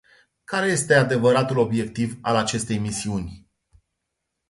Care este adevăratul obiectiv al acestei misiuni?